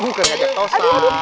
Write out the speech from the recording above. gua kayaknya ketosan